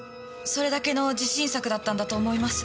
それだけの自信作だったんだと思います。